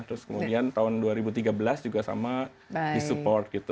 terus kemudian tahun dua ribu tiga belas juga sama disupport gitu